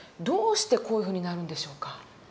どうしてこういうふうになるんでしょうか。